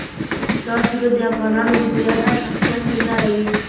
دا سرود د افغانانو د هویت او شخصیت هنداره وي.